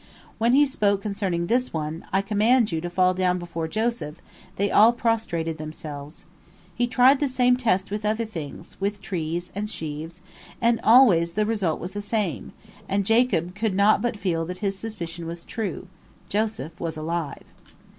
When he spoke concerning this one, "I command you to fall down before Joseph," they all prostrated themselves. He tried the same test with other things, with trees and sheaves, and always the result was the same, and Jacob could not but feel that his suspicion was true, Joseph was alive.